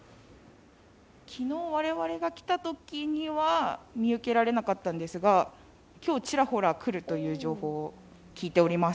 昨日、我々が来たときには見受けられなかったんですが、今日、ちらほら来るという情報を聞いております。